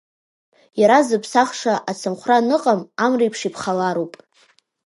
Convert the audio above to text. Иара зыԥсахша, ацымхәра аныҟам, амреиԥш иԥхалароуп…